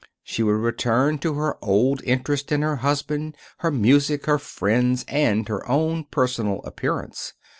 She would return to her old interest in her husband, her music, her friends, and her own personal appearance.